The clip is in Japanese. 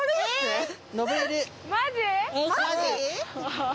マジ！？